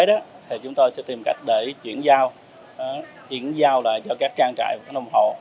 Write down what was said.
thì chúng ta sẽ tìm cách để chuyển giao chuyển giao lại cho các trang trại và các đồng hồ